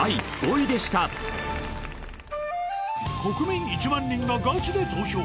国民１万人がガチで投票！